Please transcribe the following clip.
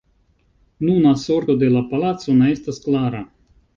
Nuna sorto de la palaco ne estas klara.